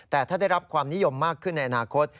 แต่ถ้าได้รับความนิยมมากขึ้นในอนาคต